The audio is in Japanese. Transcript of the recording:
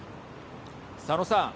佐野さん。